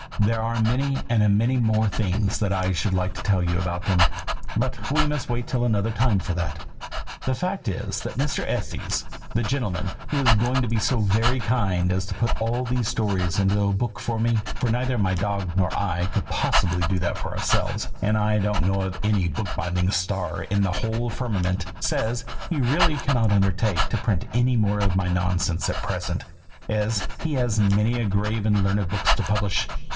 There are many and many more things that I should like to tell you about them, but we must wait till another time for all that. The fact is that Mr. Estes, the gentleman who is going to be so very kind as to put all these stories into a book for me, (for neither my dog nor I could possibly do that for ourselves, and I don't know of any book binding star in the whole firmament,) says he really cannot undertake to print any more of my nonsense at present, as he has many grave and learned books to publish.